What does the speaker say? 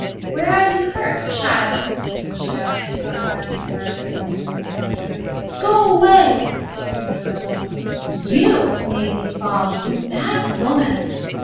"Where are you hurt, child?" she asked, throwing down her burden and kneeling beside her. "Go away," screamed Rosamond. "You made me fall, you bad woman!"